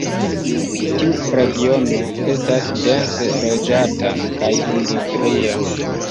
Tiu regiono estas dense loĝata kaj industria.